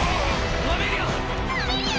アメリア！